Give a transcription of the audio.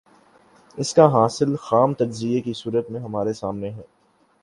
اس کا حاصل خام تجزیے کی صورت میں ہمارے سامنے ہے۔